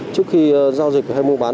trước khi giao dịch hay mua bán